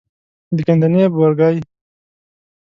د ګندنې بورګی،